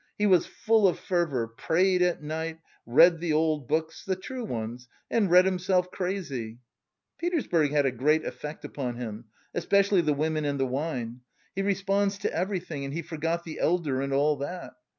He was full of fervour, prayed at night, read the old books, 'the true' ones, and read himself crazy. [*] A religious sect. TRANSLATOR'S NOTE. "Petersburg had a great effect upon him, especially the women and the wine. He responds to everything and he forgot the elder and all that.